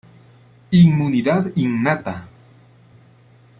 Inmunidad Innata.